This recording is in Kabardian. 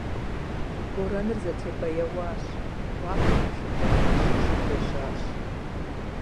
Борэныр зэтебэяуащ, уафэми пшэкӀэплъ къыщищӀу хуежьащ.